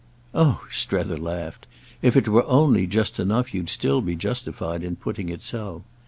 "Oh," Strether laughed, "if it were only just enough you'd still be justified in putting it so!